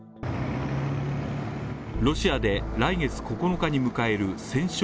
ロシアで来月９日に迎える戦勝